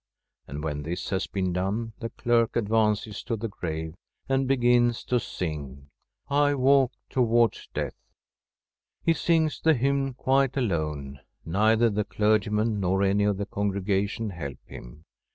And when this has been done the cferk advances, to the grave and begins to sing: ' I walk towards death.' He sings the hymn quite alone; neither the clergyman nor any of the congregation help him.